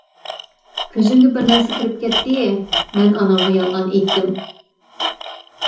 كۆزۈمگە بىرنەرسە كىرىپ كەتتى، مەن ئانامغا يالغان ئېيتتىم.